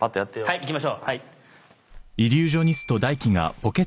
はいいきましょう。